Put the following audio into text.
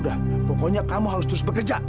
udah pokoknya kamu harus terus bekerja